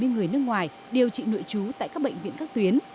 một mươi một trăm bảy mươi người nước ngoài điều trị nội trú tại các bệnh viện các tuyến